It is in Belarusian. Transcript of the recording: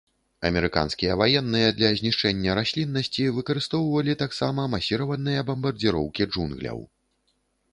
Амерыканскія ваенныя для знішчэння расліннасці выкарыстоўвалі таксама масіраваныя бамбардзіроўкі джунгляў.